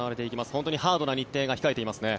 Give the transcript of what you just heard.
本当にハードな日程が控えていますね。